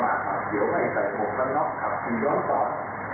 สะดวกกับที่เกิดขึ้นมาก่อน